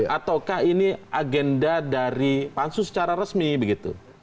ataukah ini agenda dari pansus secara resmi begitu